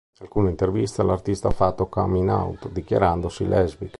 In alcune interviste, l'artista ha fatto coming out dichiarandosi lesbica.